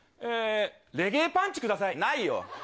レゲエパンチください。ないよ。